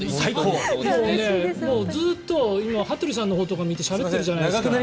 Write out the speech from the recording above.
もうずっと今、羽鳥さんのほうとか見てしゃべってるじゃないですか